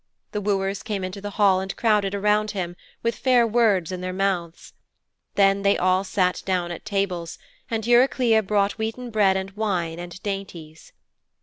The wooers came into the hall and crowded around him, with fair words in their mouths. Then all sat down at tables, and Eurycleia brought wheaten bread and wine and dainties.